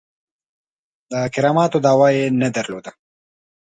د کراماتو دعوه نه درلوده.